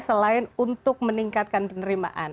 selain untuk meningkatkan penerimaan